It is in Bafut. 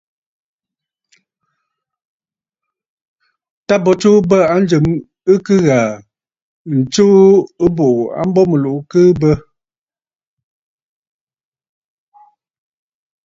Tâ bo tsuu bə̂ a njɨ̀m ɨ kɨ ghàà, ɨ tsuu ɨbùꞌù a mbo mɨ̀lùꞌù ɨ kɨɨ bə.